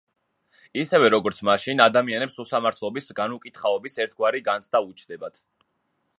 ისევე როგორც მაშინ, ადამიანებს უსამართლობის, განუკითხაობის ერთგვარი განცდა უჩნდებათ.